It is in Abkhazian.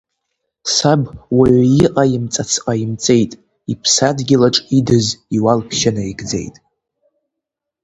Саб уаҩы иҟаимҵаз ҟаимҵеит, иԥсадгьылаҿ идыз иуалԥшьа наигӡеит.